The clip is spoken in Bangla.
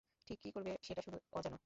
ঠিক কী করবে সেটা শুধু অজানা।